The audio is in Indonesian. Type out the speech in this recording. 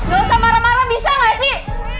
gak usah marah marah bisa nggak sih